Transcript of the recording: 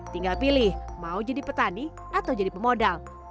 tinggal pilih mau jadi petani atau jadi pemodal